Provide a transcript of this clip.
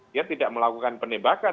dia tidak melakukan penembakan